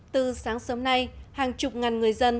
từ sáng sớm nay hàng chục ngàn người dân